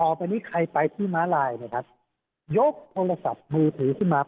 ระหว่างนี้ใครไปที่ม้าลายต้องยกโทรศัพท์มือถุฉัน